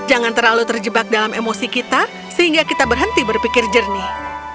jangan terlalu terjebak dalam emosi kita sehingga kita berhenti berpikir jernih